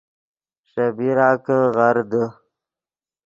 ݰے بیرا کہ غر دے